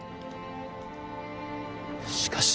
しかし。